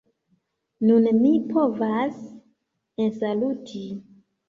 Nun mi povas ensaluti